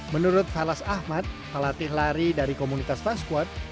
menurut falas ahmad pelatih lari dari komunitas fast squad